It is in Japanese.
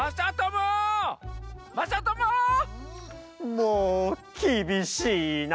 もうきびしいな！